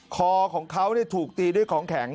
คอของเขาถูกตีด้วยของแข็ง